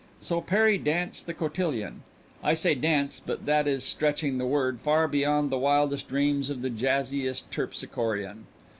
So Perry danced the cotillion. I say danced, but that is stretching the word far beyond the wildest dreams of the jazziest terpsichorean.